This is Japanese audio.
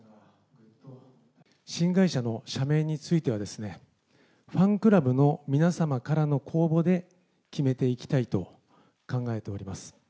新会社の社名についてはですね、ファンクラブの皆様からの公募で決めていきたいと考えております。